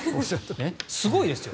すごいですよ。